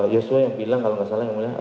joshua yang bilang kalau gak salah yang mulia